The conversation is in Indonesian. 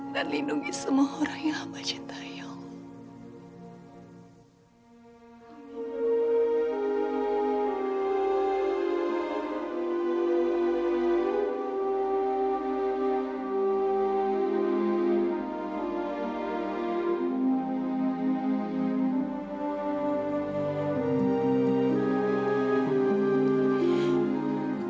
dan lindungi semua orang yang amat cinta ya allah